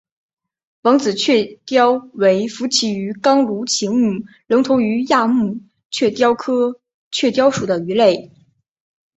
王子雀鲷为辐鳍鱼纲鲈形目隆头鱼亚目雀鲷科雀鲷属的鱼类。